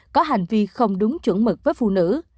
có hành vi không đúng chuẩn mực với phụ nữ